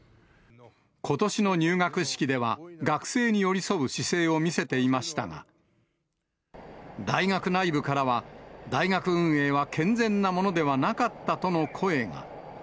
ことしの入学式では、学生に寄り添う姿勢を見せていましたが、大学内部からは、大学運営は健全なものではなかったとの声が。